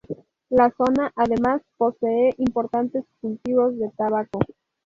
La zona, además, posee importantes cultivos de tabaco.